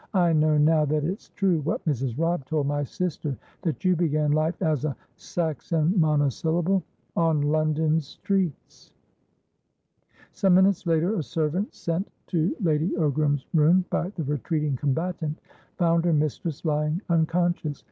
I know now that it's true, what Mrs. Robb told my sister, that you began life as a"Saxon monosyllable"on London streets!" Some minutes later, a servant sent to Lady Ogram's room by the retreating combatant found her mistress lying unconscious.